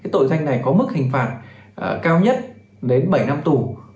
tội danh này có mức hình phạt cao nhất đến bảy năm tù